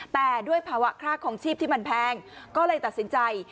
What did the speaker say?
แต่ด้วยภาวะค่าคลองชีพที่มันแพงก็เลยตัดสินใจ